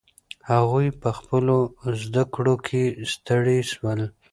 هغوی په خپلو زده کړو کې ستړي سول.